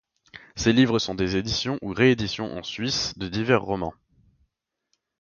Ses livres sont des éditions ou rééditions en Suisse de divers romans.